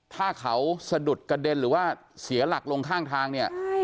ถ้าเขาสะดุดกระเด็นหรือว่าเสียหลักลงข้างทางเนี่ย